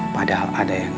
padahal ada yang